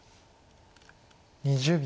２０秒。